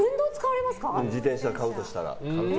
自転車買うとしたら。